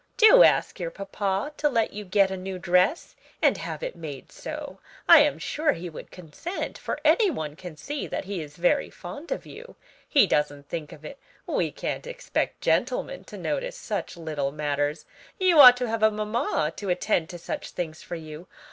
Do ask your papa to let you get a new dress and have it made so; I am sure he would consent, for any one can see that he is very fond of you. He doesn't think of it; we can't expect gentlemen to notice such little matters; you ought to have a mamma to attend to such things for you.